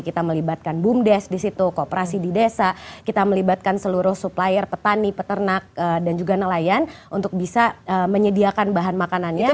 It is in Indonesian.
kita melibatkan bumdes di situ kooperasi di desa kita melibatkan seluruh supplier petani peternak dan juga nelayan untuk bisa menyediakan bahan makanannya